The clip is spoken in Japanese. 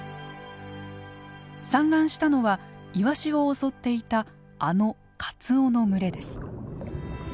産卵したのはイワシを襲っていたあのカツオの群れです。